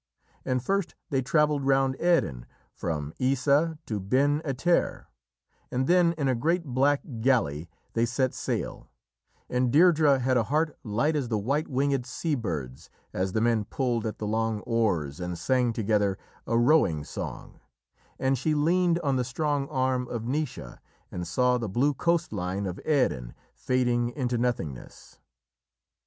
And first they travelled round Erin from Essa to Beinn Etair, and then in a great black galley they set sail, and Deirdrê had a heart light as the white winged sea birds as the men pulled at the long oars and sang together a rowing song, and she leaned on the strong arm of Naoise and saw the blue coast line of Erin fading into nothingness.